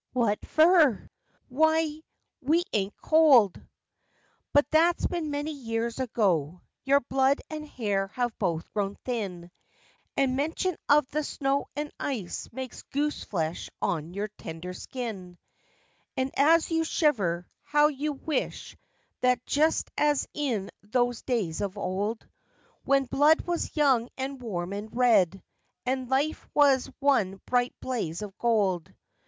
What fer? W'y, we ain't COLD!' many years ago; your hair have both grown that's been blood and thin; And mention of the snow and ice makes gooseflesh on your tender skin. And as you shiver, how you wish that just as in those days of old. When blood was young and warm and red, and life was one bright blaze of gold.